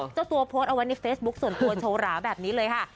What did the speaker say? เจ้าตัวโพสต์เอาไว้ในเฟซบุ๊คส่วนตัวโชว์หราแบบนี้เลยค่ะ